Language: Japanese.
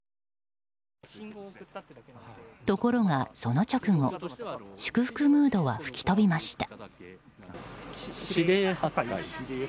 ところが、その直後祝福ムードは吹き飛びました。